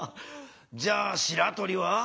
じゃあしらとりは？